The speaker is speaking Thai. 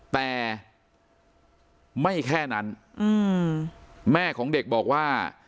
แต่ไม่แค่นั้นแม่ของเด็กบอกว่า